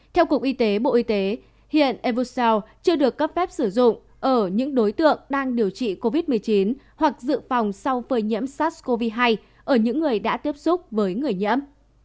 theo cục y tế bộ y tế hiện evosel chưa được cấp phép sử dụng ở những đối tượng đang điều trị covid một mươi chín hoặc dự phòng sau phơi nhiễm sars cov hai ở những người đã tiếp xúc với người nhiễm